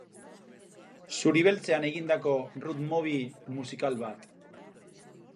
Zuri-beltzean egindako roadmovie musikal bat.